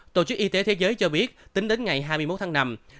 tổ chức y tế thế giới cho biết tính đến ngày hai mươi một tháng năm